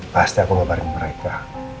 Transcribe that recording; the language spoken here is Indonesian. pasti aku ngabarin mereka